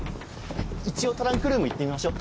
一応トランクルーム行ってみましょ。